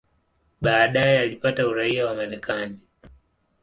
Baadaye alipata uraia wa Marekani.